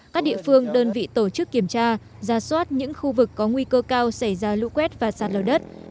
các địa phương đơn vị tổ chức kiểm tra ra soát những khu vực có nguy cơ cao xảy ra lũ quét và sạt lở đất